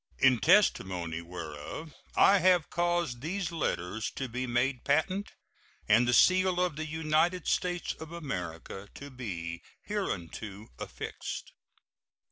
In testimony whereof I have caused these letters to be made patent and the seal of the United States of America to be hereunto affixed.